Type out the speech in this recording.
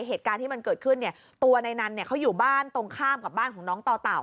เหตุการณ์ที่มันเกิดขึ้นเนี่ยตัวในนั้นเนี่ยเขาอยู่บ้านตรงข้ามกับบ้านของน้องต่อเต่า